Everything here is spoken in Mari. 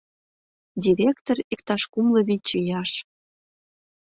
Директор иктаж кумло вич ияш.